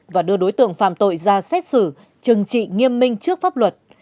và đưa đối tượng phạm tội ra xét xử chừng trị nghiêm minh trước pháp luật